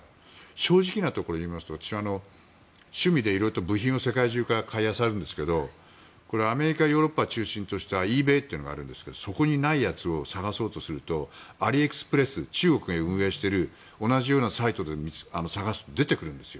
正直なところを言いますと私は趣味でいろいろと部品を世界中から買いあさるんですけどアメリカヨーロッパを中心としたイーベイというのがあるんですけどそこにないやつを探そうとするとアリエクスプレス中国が運営している同じようなサイトで探すと出てくるんです。